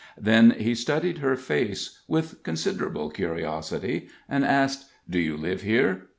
Then he studied her face with considerable curiosity, and asked: "Do you live here?"